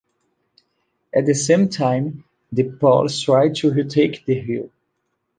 At the same time, the Poles tried to retake the hill.